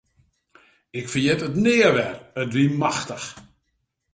Ik ferjit it nea wer, it wie machtich.